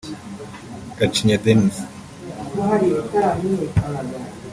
Gacinya Denis